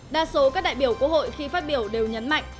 đa số các đại biểu quốc hội khi phát biểu đều nhấn mạnh